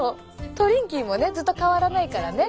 トリンキーもねずっと変わらないからね。